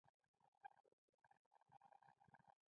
مرحوم عبدالحی حبیبي د عیارانو د ښو صفاتو یادونه کوي.